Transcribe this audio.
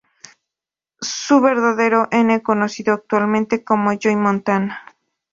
Su verdadero n, conocido actualmente como Joey Montana.